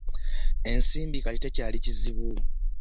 Ensimbi kati tekikyali kizibu.